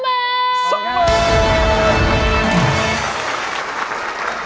๒หมื่นบาท